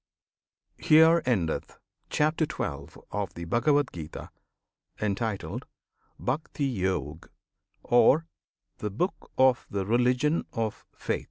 HERE ENDETH CHAPTER XII. OF THE BHAGAVAD GITA, Entitled "Bhaktiyog," Or"The Book of the Religion of Faith."